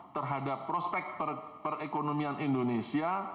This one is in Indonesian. terhadap prospek perekonomian indonesia